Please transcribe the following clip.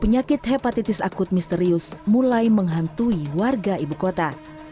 penyakit hepatitis akut misterius mulai menghantui warga ibu kota